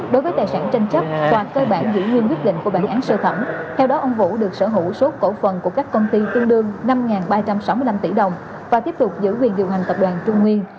đối với tài sản tranh chấp toàn cơ bản giữ nguyên quyết định của bản án sơ thẩm theo đó ông vũ được sở hữu số cổ phần của các công ty tương đương năm ba trăm sáu mươi năm tỷ đồng và tiếp tục giữ quyền điều hành tập đoàn trung nguyên